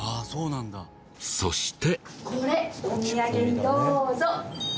そして。